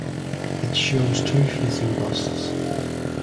It shows two facing busts.